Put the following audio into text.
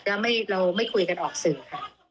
แล้วเราไม่คุยกันออกสื่อค่ะ